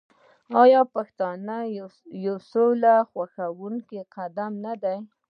آیا پښتون یو سوله خوښوونکی قوم نه دی؟